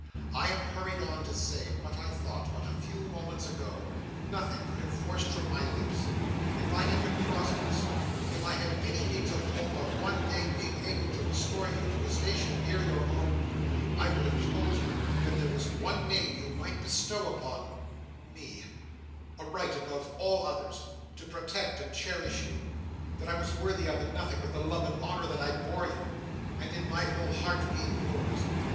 "I am hurried on to say, what I thought, but a few moments ago, nothing could have forced from my lips. If I had been prosperous; if I had any means or hope of being one day able to restore you to a station near your own; I would have told you that there was one name you might bestow upon—me—a right above all others, to protect and cherish you—that I was worthy of in nothing but the love and honour that I bore you, and in my whole heart being yours.